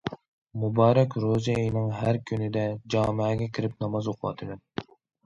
مۇبارەك روزى ئېيىنىڭ ھەر كۈنىدە جامەگە كىرىپ ناماز ئوقۇۋاتىمەن.